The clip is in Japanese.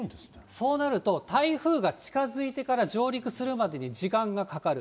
そうなると、台風が近づいてから上陸するまでに時間がかかる。